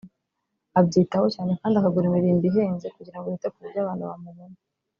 abyitaho cyane kandi akagura imirimbo ihenze kugira ngo yite ku buryo abantu bamubona